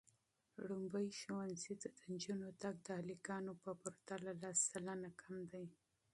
لومړني ښوونځي ته د نجونو تګ د هلکانو په پرتله لس سلنه کم دی.